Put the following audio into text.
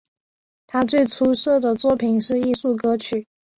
他最出色的作品是艺术歌曲。